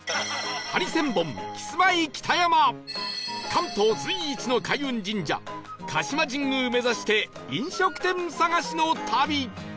関東随一の開運神社鹿島神宮目指して飲食店探しの旅